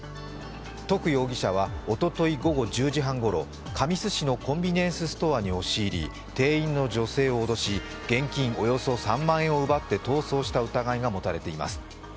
徳容疑者はおととい午後１０時半ごろ神栖市のコンビニエンスストアに押し入り店員の女性を脅し現金およそ３万円を奪って逃走した疑いが持たれています。